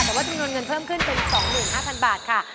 แต่ว่าจำนวนเงินเพิ่มขึ้นเป็น๒๕๐๐บาทค่ะ